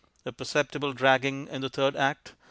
A perceptible dragging in the Third Act....